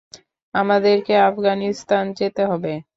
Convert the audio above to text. আমাদেরকে আফগানিস্তান যেতে হবে।